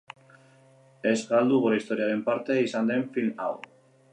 Ez galdu gure historiaren parte izan den film hau!